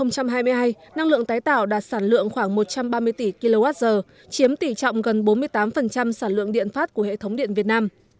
năm hai nghìn hai mươi hai năng lượng tái tạo đạt sản lượng khoảng một trăm ba mươi tỷ kwh chiếm tỷ trọng gần bốn mươi